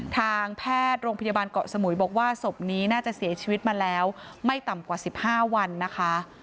ทางแพทย์โรงพยาบาลเกาะสมุยบอกว่าศพนี้น่าจะเสียชีวิตมาแล้วไม่ต่ำกว่า๑๕วันนะคะ